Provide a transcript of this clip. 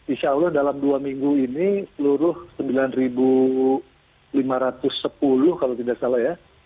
insya allah dalam dua minggu ini seluruh sembilan lima ratus sepuluh kalau tidak salah ya